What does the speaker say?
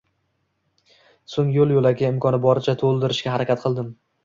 So‘ng yo‘l-yo‘lakay imkoni boricha to‘ldirishga harakat qildim.